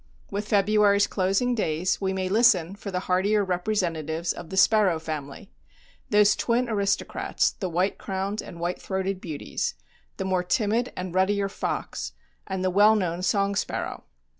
With February's closing days we may listen for the hardier representatives of the sparrow family, those twin aristocrats, the white crowned and white throated beauties, the more timid and ruddier fox, and the well known song sparrow.